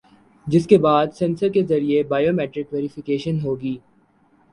جس کے بعد سینسر کے ذریعے بائیو میٹرک ویری فیکیشن ہوگی